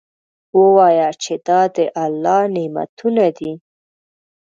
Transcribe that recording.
ووایه چې دا د الله نعمتونه دي.